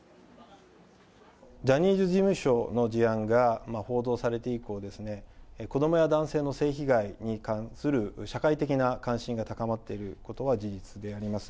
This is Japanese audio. ジャニーズ事務所の事案が報道されて以降ですね、子どもや男性の性被害に関する社会的な関心が高まっていることは事実であります。